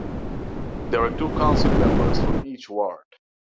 There are two council members from each ward.